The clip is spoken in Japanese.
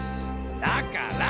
だから！